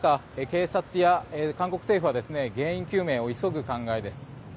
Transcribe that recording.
警察や韓国政府は原因究明を急ぐ考えです。